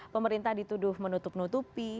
pemerintah dituduh menutup nutupi